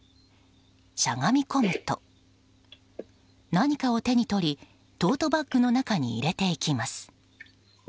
しゃがみ込むと何かを手に取りトートバッグの中に入れていきます。